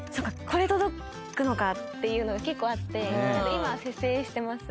これ届くのかっていうのが結構あって今は節制してます。